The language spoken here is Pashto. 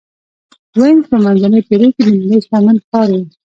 وینز په منځنۍ پېړۍ کې د نړۍ شتمن ښار و.